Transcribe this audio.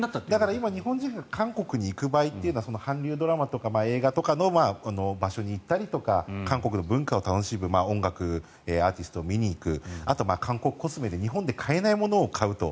今、日本人が韓国に行く場合というのは韓流ドラマとか映画とかの場所に行ったりとか韓国の文化を楽しむ音楽アーティストを見に行くあと、観光、コスメで日本で買えないものを買うと。